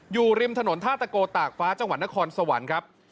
อยู่ริมถนนท่าตะโกตากฟ้าจังหวัดนครสวรรค์ครับ